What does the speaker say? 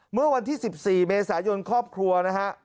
เมื่อวันที่๑๔เมษายนครอบครัวนะฮะ